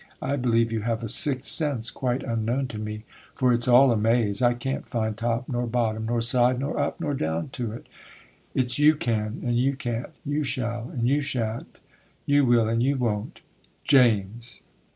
I believe you have a sixth sense, quite unknown to me, for it's all a maze,—I can't find top, nor bottom, nor side, nor up, nor down to it,—it's you can and you can't, you shall and you shan't, you will and you won't,—' 'James!